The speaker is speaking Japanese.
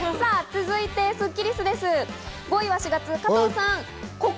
続いて、スッキりすです。